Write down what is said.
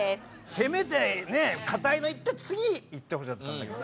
せめてねっ堅いのいって次いってほしかったんだけど。